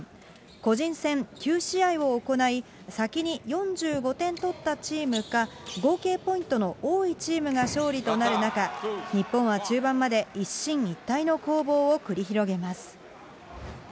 個人戦９試合を行い、先に４５点取ったチームか、合計ポイントの多いチームが勝利となる中、日本は中盤まで一進一退の攻防を繰り広げます。